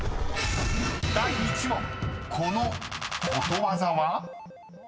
［第１問このことわざは？］